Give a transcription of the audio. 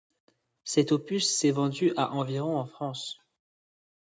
Cet opus s'est vendu à environ en France.